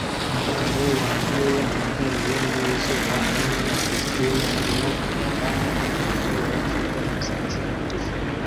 Umugabo wambaye amadarubindi yizuba hamwe na kositimu arimo kureba umukobwa ufite umusatsi mugufi